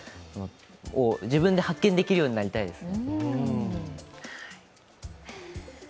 自分で発見できるようになりたいです。